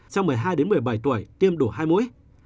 trong một mươi hai một mươi bảy tuổi tiêm đủ hai mũi